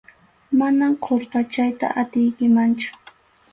Manam qurpachayta atiykimanchu.